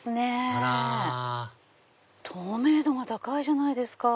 あら透明度が高いじゃないですか。